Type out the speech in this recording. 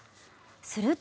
すると。